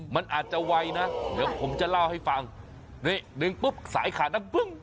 มันอาจจะไวนะเดี๋ยวผมจะเล่าให้ฟังนี่ดึงปุ๊บสายขาดนักปึ้ง